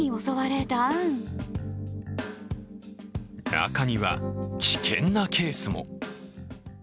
中には危険なケースも。